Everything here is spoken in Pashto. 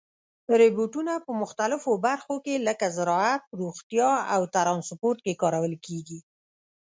روبوټونه په مختلفو برخو کې لکه زراعت، روغتیا او ترانسپورت کې کارول کېږي.